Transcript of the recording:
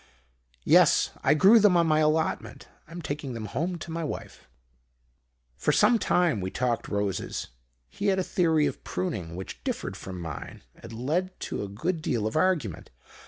"'Yes. I grew them on my allotment. I'm taking them home to my wife.' "For some time we talked roses. He had a theory of pruning, which differed from mine, and led to a good deal of argument.